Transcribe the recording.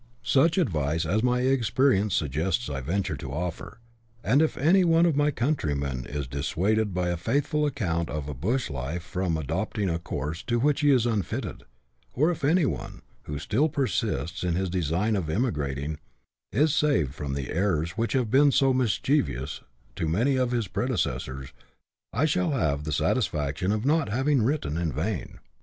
Such advice as my experience suggests I venture to offer ; and if anyone of my countrymen is dissuaded by a faithful account of a Bush life from adopting a course to which he is unfitted, or if any one, who still persists in his design of emigrating, is saved from the errors which have been so mischievous to many of his prede cessors, I shall have the satisfaction of not having written in vain.